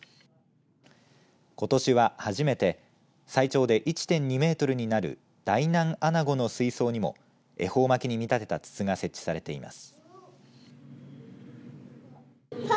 ことしは、初めて最長で１．２メートルになるダイナンアナゴの水槽にも恵方巻きに見立てた筒が設置されています。